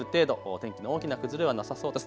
天気の大きな崩れはなさそうです。